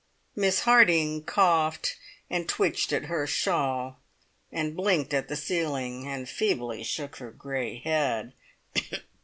Miss Harding coughed, and twitched at her shawl, and blinked at the ceiling, and feebly shook her grey head.